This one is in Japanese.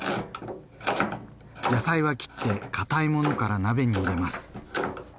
野菜は切って堅いものから鍋に入れます。